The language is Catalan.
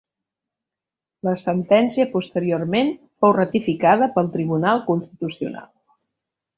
La sentència posteriorment fou ratificada pel Tribunal Constitucional.